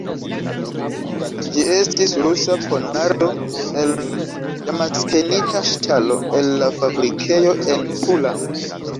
Ĝi estis Rusa ponardo, el damaskenita ŝtalo, el la fabrikejo en Tula.